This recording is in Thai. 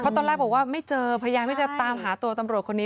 ตอนแรกบอกว่าไม่เจอพยายามที่จะตามหาตัวตำรวจคนนี้